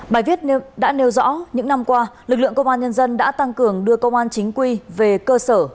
bài viết đã nêu rõ những năm qua lực lượng công an nhân dân đã tăng cường đưa công an chính quy về cơ sở